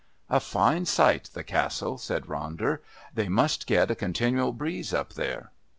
"A fine site, the Castle," said Ronder. "They must get a continual breeze up there."